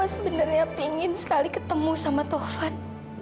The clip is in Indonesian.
mama sebenarnya pingin sekali ketemu sama taufan